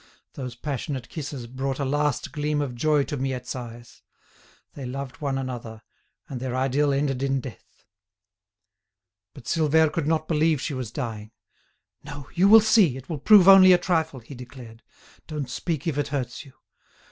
Those passionate kisses brought a last gleam of joy to Miette's eyes. They loved one another, and their idyll ended in death. But Silvère could not believe she was dying. "No, you will see, it will prove only a trifle," he declared. "Don't speak if it hurts you.